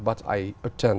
và tôi rất tự hào